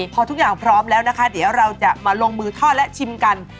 พอทุกอย่างพร้อมแล้วนะคะเดี๋ยวเราจะมาลงมือทอดและชิมกัน